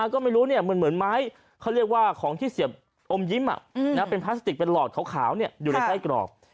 ของที่เสียบอมยิ้มเป็นพลาสติกเป็นหลอดขาวอยู่ในไส้กรอก